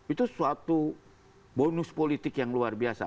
itu suatu bonus politik yang luar biasa